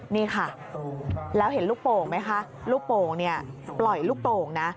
นี่ค่ะแล้วเห็นลูกโป่งไหมคะลูกโป่งเนี่ยปล่อยลูกโป่งนะ